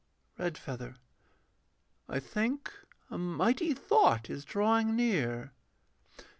REDFEATHER. I think a mighty thought is drawing near.